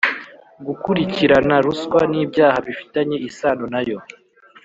gukurikirana ruswa n’ibyaha bifitanye isano nayo;